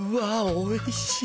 おいしい！